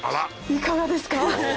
いかがですか？